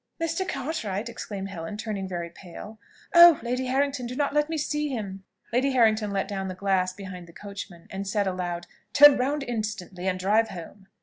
"Mr. Cartwright!" exclaimed Helen, turning very pale. "Oh, Lady Harrington, do not let me see him!" Lady Harrington let down the glass behind the coachman, and said aloud, "Turn round instantly, and drive home."